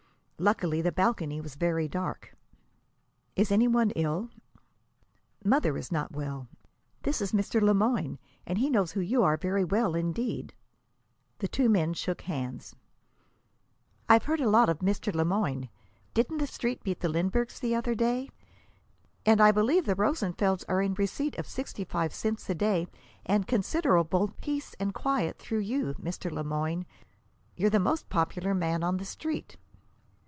Luckily, the balcony was very dark. "Is any one ill?" "Mother is not well. This is Mr. Le Moyne, and he knows who you are very well, indeed." The two men shook hands. "I've heard a lot of Mr. Le Moyne. Didn't the Street beat the Linburgs the other day? And I believe the Rosenfelds are in receipt of sixty five cents a day and considerable peace and quiet through you, Mr. Le Moyne. You're the most popular man on the Street."